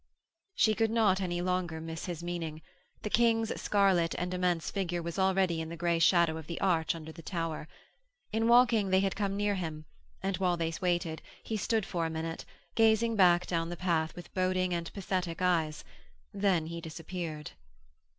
She could not any longer miss his meaning. The King's scarlet and immense figure was already in the grey shadow of the arch under the tower. In walking, they had come near him, and while they waited he stood for a minute, gazing back down the path with boding and pathetic eyes; then he disappeared.